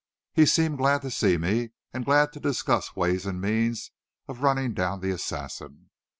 He seemed glad to see me, and glad to discuss ways and means of running down the assassin.